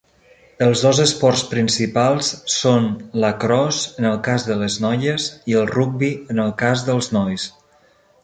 Els dos esports principals són lacrosse en el cas de les noies i el rugbi en els cas dels nois.